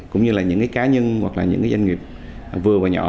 cũng như là những cá nhân hoặc là những doanh nghiệp vừa và nhỏ